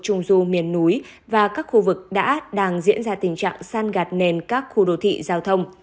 trong đó mưa lớn trung du miền núi và các khu vực đã đang diễn ra tình trạng săn gạt nền các khu đô thị giao thông